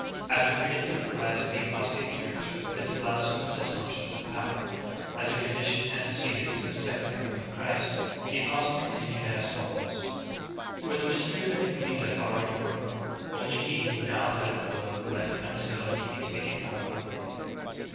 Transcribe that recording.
After predicting the rise of the apostate church, with its blasphemous assumptions of power, as a condition antecedent to the second coming of Christ, the apostle continued as follows: "For the mystery of iniquity doth already work : only he who now letteth will let until he be taken out of the way.